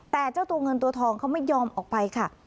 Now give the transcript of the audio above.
แต่เจ้าตัวเงินตัวทองเขาไม่ยอมออกไปค่ะ